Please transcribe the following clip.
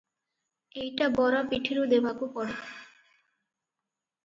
ଏଇଟା ବର ପିଠିରୁ ଦେବାକୁ ପଡ଼େ ।